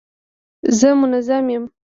زه منظم یم.